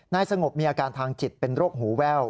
สงบมีอาการทางจิตเป็นโรคหูแว่ว